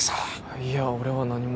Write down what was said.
いや俺は何も。